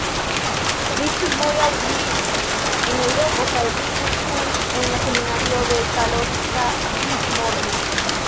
Li studvojaĝis en Eŭropo kaj li instruis en la seminario de Kalocsa ĝismorte.